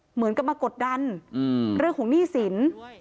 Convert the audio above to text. เหมือนกับมากดดันเรื่องของหนี้สิน